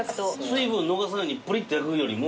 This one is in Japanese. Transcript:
水分逃さんようにプリって焼くよりも。